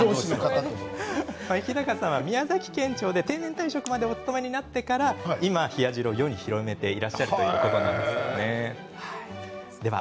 日高さんは宮崎県庁で定年退職までお勤めになってから今、冷や汁を世に広めていらっしゃるということです。